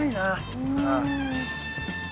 うん。